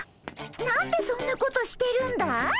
何でそんなことしてるんだい？